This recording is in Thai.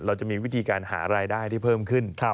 เราจะมีวิธีการหารายได้ที่เพิ่มขึ้น